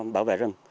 bảo vệ rừng